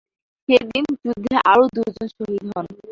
সে দিন যুদ্ধে আরও দুজন শহীদ হন।